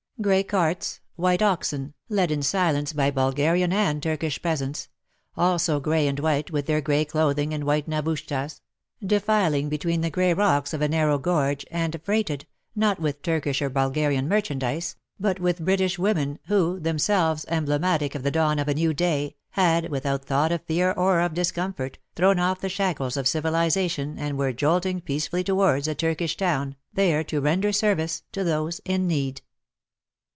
Grey carts, white oxen, led in silence by Bulgarian and Turkish peasants — also grey and white, with their grey clothing and white navushtas — defiling between the grey rocks of a narrow gorge, and freighted, not with Turkish or Bulgarian merchandise, but with British women who, themselves emblematic of the dawn of a new day, had, without thought of fear or of discomfort, thrown off the shackles of civilization and were jolting peacefully towards a Turkish town, there to render service to those in need.